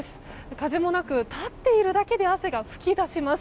風もなく、立っているだけで汗が噴き出します。